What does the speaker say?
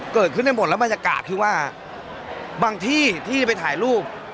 เกิดขึ้นได้หมดแล้วบรรยากาศคือว่าบางที่ที่ไปถ่ายรูป